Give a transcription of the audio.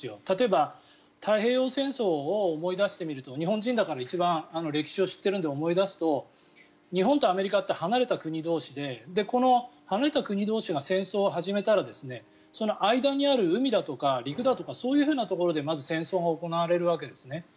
例えば、太平洋戦争を思い出してみると日本人だから一番歴史を知っているので思い出すと日本とアメリカって離れた国同士で離れた国同士が戦争を始めたらその間にある海だとか陸だとかそういうところでまず戦争が行われるわけですね。